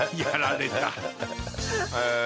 へえ。